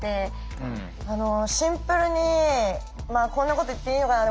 シンプルにこんなこと言っていいのかな。